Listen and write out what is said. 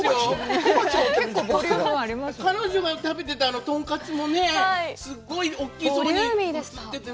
彼女が食べてたとんかつもね、すごい大きそうに映ってて。